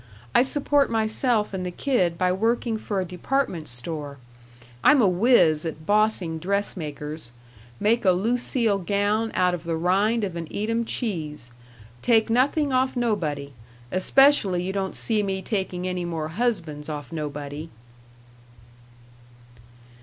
I support myself and the kid by working for a department store. I'm a wiz at bossing dressmakers make a Lucile gown out of the rind of an Edam cheese. Take nothing off nobody especially you don't see me taking any more husbands off nobody."